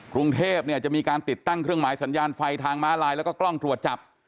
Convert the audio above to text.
กรุงเทพเนี่ยจะมีการติดตั้งเครื่องหมายสัญญาณไฟทางม้าลายแล้วก็กล้องตรวจจับ